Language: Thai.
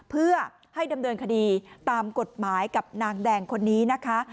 เพื่อให้ดำเนินคดีตามกฎหมายกับนางแดงคนนี้นะคะ